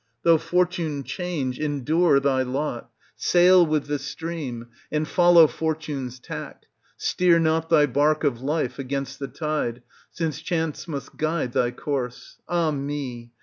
Though fortune change, endure thy lot; sail with the stream, and follow fortune's tack, steer not thy barque of life against the tide, since chance must guide thy course. Ah me